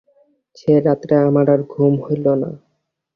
সে রাত্রে আমার আর ঘুম হইল না।